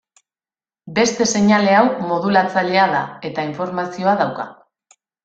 Beste seinale hau modulatzailea da, eta informazioa dauka.